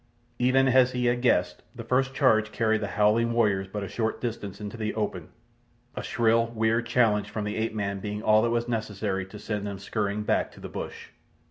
Even as he had guessed, the first charge carried the howling warriors but a short distance into the open—a shrill, weird challenge from the ape man being all that was necessary to send them scurrying back to the bush.